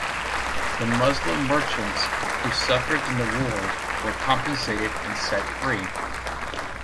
The Muslim merchants, who suffered in the war, were compensated and set free.